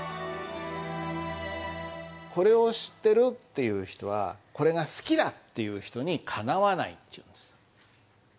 これを知ってるっていう人はこれが好きだっていう人にかなわないっていうんです。